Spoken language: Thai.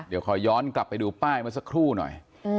เดี๋ยวขอย้อนกลับไปดูป้ายเมื่อสักครู่หน่อย